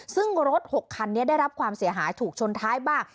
ซึ่งรถ๖คันนี้ได้รับความเสียหายถูกชนท้ายบ้าง